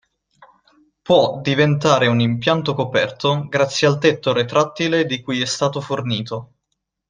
Può diventare un impianto coperto grazie al tetto retrattile di cui è stato fornito.